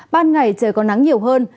ban ngày trời có nắng nhiều hơn